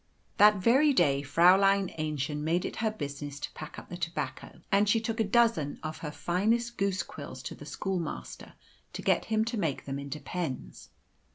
That very day Fräulein Aennchen made it her business to pack up the tobacco, and she took a dozen of her finest goose quills to the schoolmaster, to get him to make them into pens.